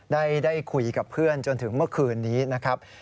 ได้คุยกับเพื่อนจนถึงเมื่อคืนนี้นะครับ